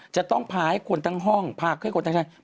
จะต้องพาให้คนทั้งห้องพาให้คนทั้งชาย